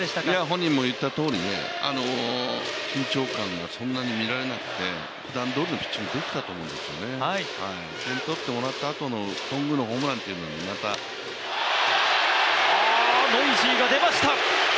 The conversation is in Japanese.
本人も言ったとおり緊張感がそんなに見られなくてふだんどおりのピッチングだったと思いますし、点取ってもらったあとの、頓宮のホームランていうのがまたノイジーが出ました！